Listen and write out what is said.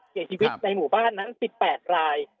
เสียชีวิตในหมู่บ้านนั้น๑๘ราย